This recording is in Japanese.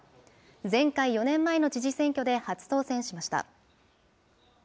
前回・４年前の知事選挙で初当選しました。